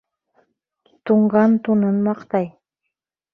Туңған тунын маҡтай